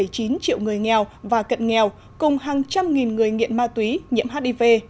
bảy chín triệu người nghèo và cận nghèo cùng hàng trăm nghìn người nghiện ma túy nhiễm hiv